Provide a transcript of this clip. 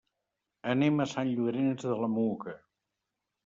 Anem a Sant Llorenç de la Muga.